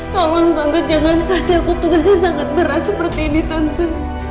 tolong tante jangan kasih aku tugas yang sangat berat seperti ini tante